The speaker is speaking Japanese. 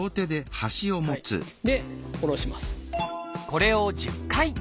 これを１０回。